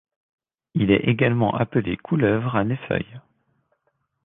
Il est également appelé couleuvre a nez feuille.